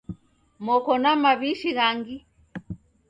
Moko na maw'ishi ghangi?